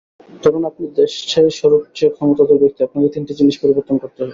ধরুন আপনি দেশের সবচেয়ে ক্ষমতাধর ব্যক্তি, আপনাকে তিনটি জিনিস পরিবর্তন করতে হবে।